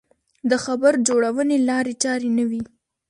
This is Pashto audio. د خبر جوړونې لارې چارې نه وې.